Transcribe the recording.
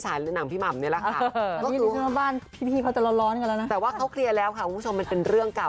แต่ว่าเขาเคลียร์แล้วค่ะคุณผู้ชมมันเป็นเรื่องเก่า